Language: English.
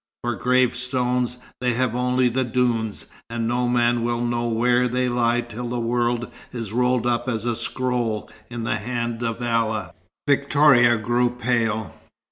For gravestones, they have only the dunes, and no man will know where they lie till the world is rolled up as a scroll in the hand of Allah." Victoria grew pale.